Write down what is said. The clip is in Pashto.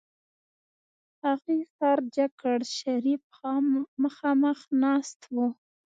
هغې سر جګ کړ شريف مخاخ ناست و.